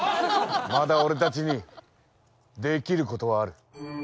まだ俺たちにできることはある。